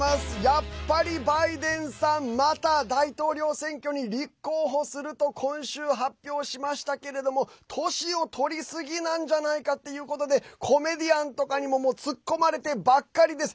やっぱりバイデンさんまた大統領選挙に立候補すると今週、発表しましたけれども年をとりすぎなんじゃないかということでコメディアンとかにも突っ込まれてばっかりです。